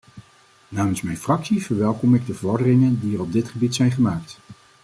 Namens mijn fractie verwelkom ik de vorderingen die er op dit gebied zijn gemaakt.